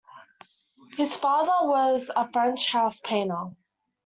His father was a French house painter.